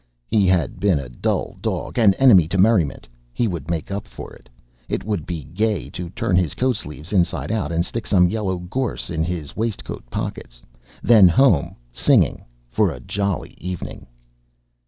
He had been a dull dog, an enemy to merriment; he would make up for it. It would be gay to turn his coat sleeves inside out, and stick some yellow gorse into his waistcoat pockets. Then home singing for a jolly evening.